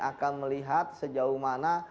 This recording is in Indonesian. akan melihat sejauh mana